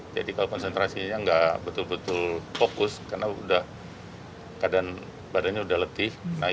jadi kalau konsentrasinya nggak betul betul fokus karena badannya udah letih